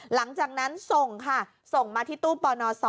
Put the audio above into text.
หลังจากนั้นส่งค่ะส่งมาที่ตู้ปน๒